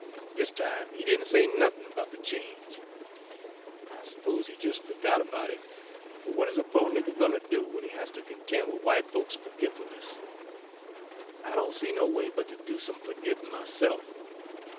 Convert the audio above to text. Dis time he didn' say nothin' 'bout de change. I s'pose he jes' fergot erbout it, but w'at is a po' nigger gwine ter do w'en he has ter conten' wid w'ite folks's fergitfulniss? I don' see no way but ter do some fergittin' myse'f.